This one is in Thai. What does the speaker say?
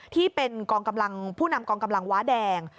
ที่เป็นผู้นำกองกำลังว้าแดง